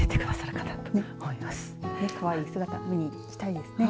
かわいい姿見に行きたいですね。